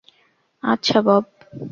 আচ্ছা, বব।